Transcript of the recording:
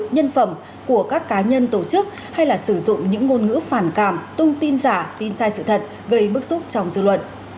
nhân phẩm của các cá nhân tổ chức hay là sử dụng những ngôn ngữ phản cảm tung tin giả tin sai sự thật gây bức xúc trong dư luận